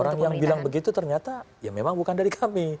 orang yang bilang begitu ternyata ya memang bukan dari kami